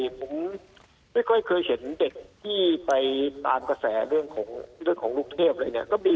ผมไม่ค่อยเคยเห็นเด็กที่ไปตามกระแสเรื่องของลูกเทพอะไรเนี่ย